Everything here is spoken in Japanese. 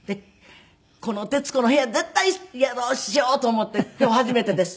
この『徹子の部屋』絶対やろうしようと思って今日初めてです。